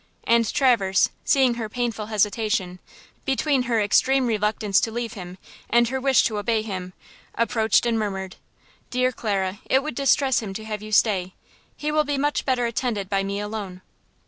And Traverse, seeing her painful hesitation, between her extreme reluctance to leave him and her wish to obey him, approached and murmured: "Dear Clara, it would distress him to have you stay; he will be much better attended by me alone."